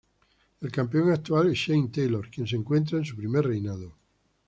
El campeón actual es Shane Taylor, quien se encuentra en su primer reinado.